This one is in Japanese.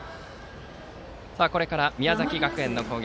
これから宮崎学園の攻撃。